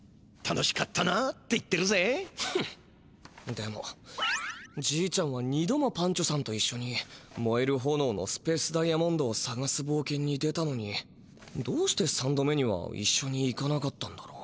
でもじいちゃんは２度もパンチョさんといっしょにもえるほのおのスペースダイヤモンドをさがすぼうけんに出たのにどうして３度目にはいっしょに行かなかったんだろう？